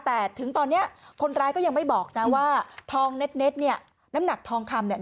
แต่ถึงตอนนี้คนร้ายก็ยังไม่บอกนะว่าทองเน็ตเนี่ยน้ำหนักทองคำเนี่ย